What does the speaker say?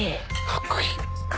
かっこいい。